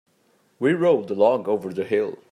We rolled the log over the hill.